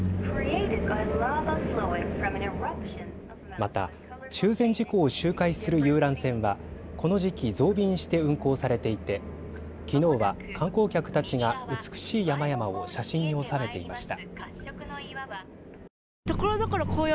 また中禅寺湖を周回する遊覧船はこの時期、増便して運航されていて、きのうは観光客たちが美しい山々を写真に収めていました。